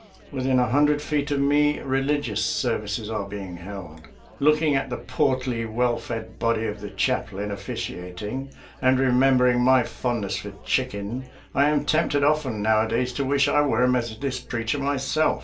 Within a hundred feet of me religious services are being held. Look ing at the portly, well fed body of the chaplain officiating, and remembering my fondness for chicken, I am tempted often nowadays to wish I were a Methodist preacher myself.